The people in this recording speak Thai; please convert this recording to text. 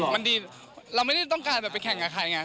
มันดีเราไม่ได้ต้องการจะไปแข่งกับใครไง